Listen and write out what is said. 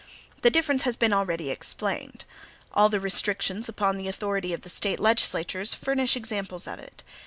The difference has been already explained. All the restrictions upon the authority of the State legislatures furnish examples of it.